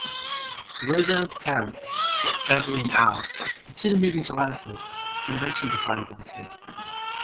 Roseanne's parents, Beverly and Al, consider moving to Lanford, but eventually decide against it.